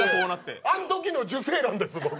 あん時の受精卵です僕。